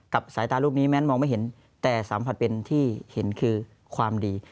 สายตารูปนี้แม้มองไม่เห็นแต่สัมผัสเป็นที่เห็นคือความดี